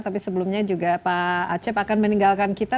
tapi sebelumnya juga pak acep akan meninggalkan kita